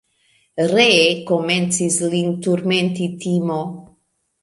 Ree komencis lin turmenti timo.